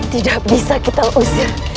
tidak bisa kita usir